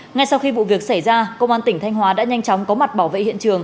ngay sau khi vụ việc xảy ra công an tỉnh thanh hóa đã nhanh chóng có mặt bảo vệ hiện trường